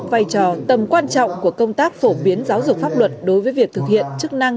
vai trò tầm quan trọng của công tác phổ biến giáo dục pháp luật đối với việc thực hiện chức năng